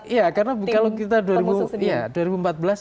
ida bisa menjawab adalah